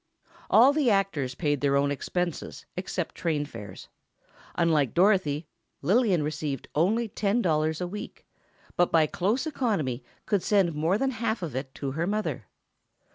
All the actors paid their own expenses, except train fares. Unlike Dorothy, Lillian received only ten dollars a week, but by close economy could send more than half of it to her mother.